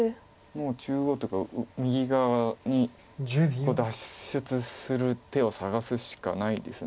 もう中央とか右側に脱出する手を探すしかないです。